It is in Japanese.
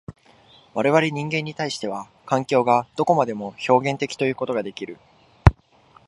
我々人間に対しては、環境がどこまでも表現的ということができる。